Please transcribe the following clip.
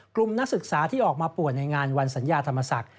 นักศึกษาที่ออกมาป่วนในงานวันสัญญาธรรมศักดิ์